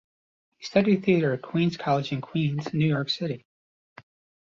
He studied theater at Queens College in Queens, New York City.